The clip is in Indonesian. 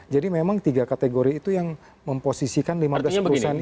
jadi memang tiga kategori itu yang memposisikan lima belas perusahaan ini